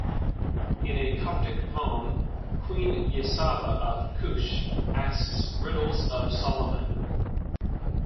In a Coptic poem, queen Yesaba of Cush asks riddles of Solomon.